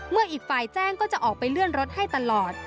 เมื่ออีกไฟล์แจ้งก็จะออกไปเลื่อนรถให้ตลอด